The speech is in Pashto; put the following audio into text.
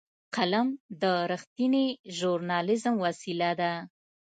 قلم د رښتینې ژورنالېزم وسیله ده